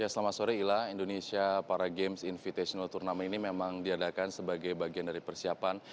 selamat sore ila indonesia para games invitational tournament ini memang diadakan sebagai bagian dari persiapan